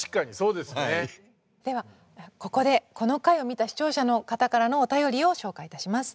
ではここでこの回を見た視聴者の方からのお便りを紹介いたします。